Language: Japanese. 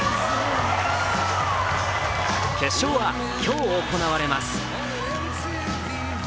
決勝は今日行われます。